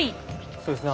そうですね